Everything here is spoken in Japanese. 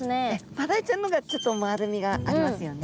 マダイちゃんの方がちょっと丸みがありますよね。